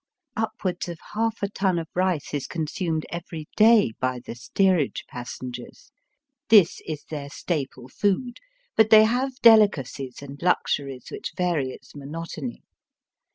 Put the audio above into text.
Upwards of half a ton of rice is consumed every day by the steerage passengers. This is their staple food, but they have deHcacies and luxuries which vary its monotony.